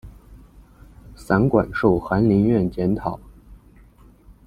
散馆授翰林院检讨。